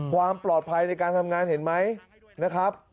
ความปลอดภัยในการทำงานเห็นไหมนะครับ